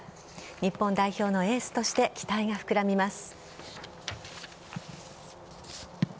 日本代表のエースとして期待が膨らみます。